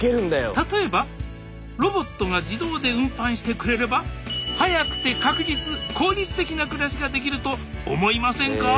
例えばロボットが自動で運搬してくれればな暮らしができると思いませんか？